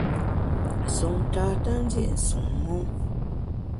Nsun tata ndi’ nsun mon.